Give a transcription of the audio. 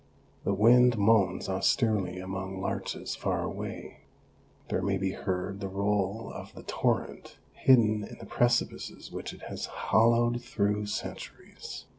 The wind moans austerely among larches far away ; there may be heard the roll of the torrent, hidden in the precipices which it has hollowed through centuries.